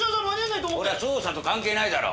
これは捜査と関係ないだろ。